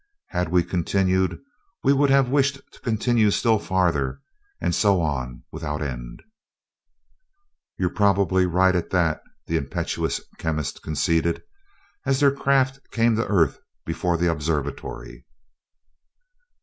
Had we continued, we would have wished to continue still farther, and so on without end." "You're probably right, at that," the impetuous chemist conceded, as their craft came to earth before the observatory.